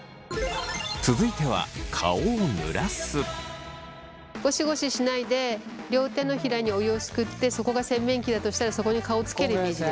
続いてはゴシゴシしないで両手のひらにお湯をすくってそこが洗面器だとしたらそこに顔をつけるイメージです。